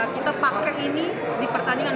kita pakai ini di pertandingan